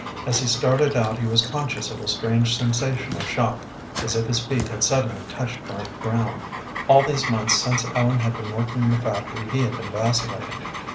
As he started out he was conscious of a strange sensation of shock, as if his feet had suddenly touched firm ground. All these months since Ellen had been working in the factory he had been vacillating.